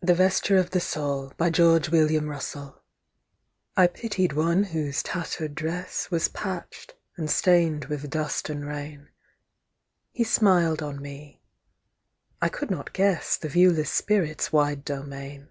THE VESTURE OF THE SOUL I pitied one whose tattered dress Was patched, and stained with dust and rain; He smiled on me; I could not guess The viewless spirit's wide domain.